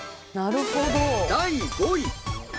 第５位。